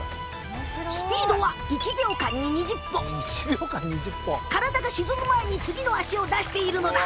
スピードは体が沈む前に次の足を出しているのだ。